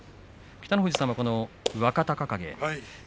北の富士さんは若隆景